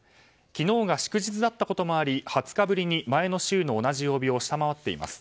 昨日が祝日だったこともあり２０日ぶりに前の週の同じ曜日を下回っています。